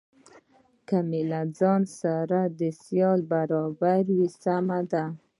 که مې له ځان سره د سیالۍ برابر وي سمه ده.